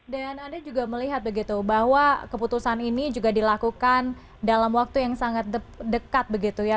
dan anda juga melihat begitu bahwa keputusan ini juga dilakukan dalam waktu yang sangat dekat begitu ya